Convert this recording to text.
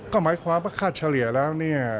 ก็หมายความว่าค่าเฉลี่ยแล้วเนี่ย